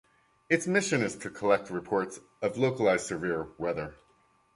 Its mission is to collect reports of localized severe weather.